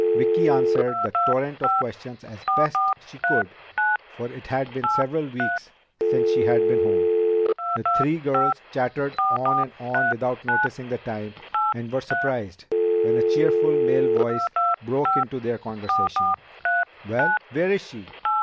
Vicki answered the torrent of questions as best she could, for it had been several weeks since she had been home. The three girls chattered on and on without noticing the time, and were surprised when a cheerful male voice broke into their conversation: "Well, where is she?